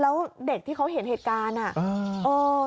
แล้วเด็กที่เขาเห็นเหตุการณ์อ่ะเออ